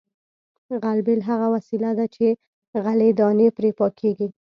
غلبېل هغه وسیله ده چې غلې دانې پرې پاکیږي